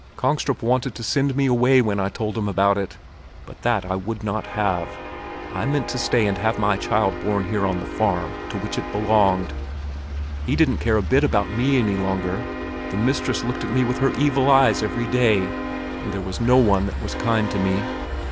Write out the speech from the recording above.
Kongstrup wanted to send me away when I told him about it; but that I would not have. I meant to stay and have my child born here on the farm to which it belonged. He didn't care a bit about me any longer, the mistress looked at me with her evil eyes every day, and there was no one that was kind to me.